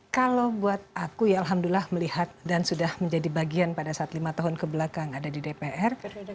kalau buat aku ya alhamdulillah melihat dan sudah menjadi bagian pada saat lima tahun kebelakang ada di dpr